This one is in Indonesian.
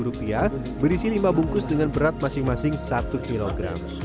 rp tujuh puluh lima berisi lima bungkus dengan berat masing masing satu kg